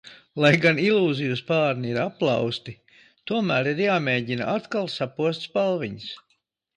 Lai gan ilūziju spārni ir aplauzti, tomēr ir jāmēģina atkal sapost spalviņas.